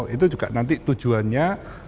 itu juga nanti tujuannya